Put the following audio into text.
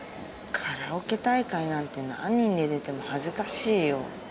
カラオケ大会なんて何人で出ても恥ずかしいよ。